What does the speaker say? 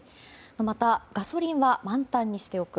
また、ガソリンは満タンにしておく。